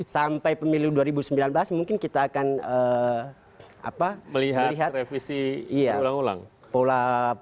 sampai pemilu dua ribu sembilan belas mungkin kita akan melihat revisi ulang ulang